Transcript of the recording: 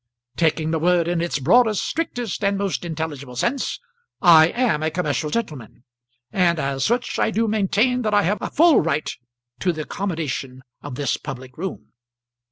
Taking the word in its broadest, strictest, and most intelligible sense, I am a commercial gentleman; and as such I do maintain that I have a full right to the accommodation of this public room."